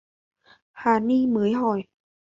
Hà ni mới hỏi